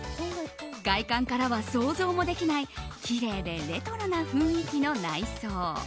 外観からは想像もできないきれいでレトロな雰囲気の内装。